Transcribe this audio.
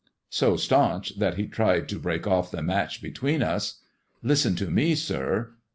" So rtaonch that he tried to break ofE the match between us. Listen to me, sir.